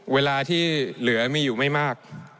เวลาที่เหลือมีอยู่ไม่มาก